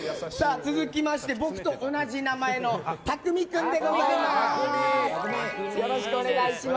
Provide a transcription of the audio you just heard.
続きまして、僕と同じ名前のたくみ君でございます。